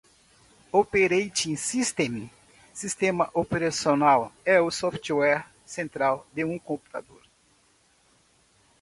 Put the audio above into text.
Operating System (Sistema Operacional) é o software central de um computador.